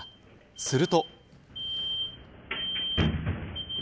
すると。